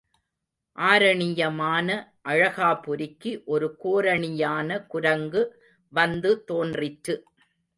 ஆரணியமான அழகாபுரிக்கு ஒரு கோரணியான குரங்கு வந்து தோன்றிற்று.